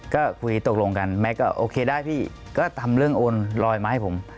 ก็คุยตกลงกันแม่ก็โอเคได้พี่ก็ทำเรื่องโอนลอยมาให้ผม